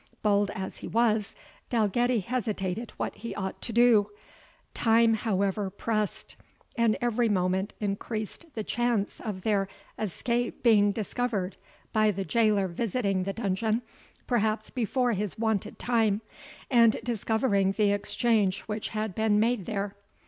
Bold as he was, Dalgetty hesitated what he ought to do. Time, however, pressed, and every moment increased the chance of their escape being discovered by the jailor visiting the dungeon perhaps before his wonted time, and discovering the exchange which had been made there.